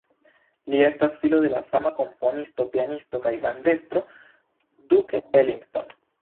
Li estas filo de la fama komponisto, pianisto kaj bandestro Duke Ellington.